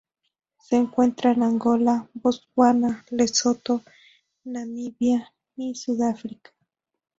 Se encuentra en Angola, Botswana, Lesotho, Namibia y Sudáfrica.